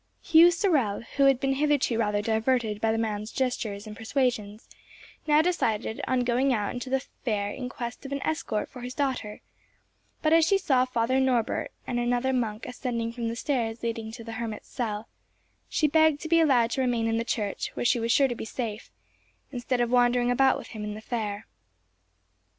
Hugh Sorel, who had been hitherto rather diverted by the man's gestures and persuasions, now decided on going out into the fair in quest of an escort for his daughter, but as she saw Father Norbert and another monk ascending from the stairs leading to the hermit's cell, she begged to be allowed to remain in the church, where she was sure to be safe, instead of wandering about with him in the fair.